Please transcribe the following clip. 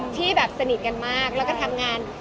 ที่แบบสนิทกันมากแล้วก็ทำงาน